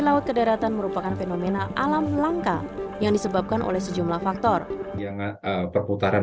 laut ke daratan merupakan fenomena alam langka yang disebabkan oleh sejumlah faktor perputaran